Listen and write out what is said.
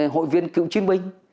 hội viên cựu chuyên binh